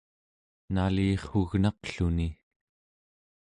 nalirrugnaqluni